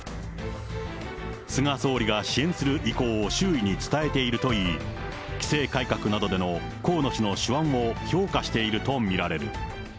菅総理が支援する意向を周囲に伝えているといい、規制改革などでの河野氏の手腕を評価していると見られる。